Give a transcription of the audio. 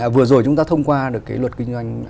vừa rồi chúng ta thông qua được cái luật kinh doanh